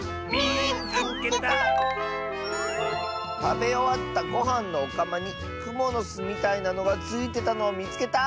「たべおわったごはんのおかまにくものすみたいなのがついてたのをみつけた！」。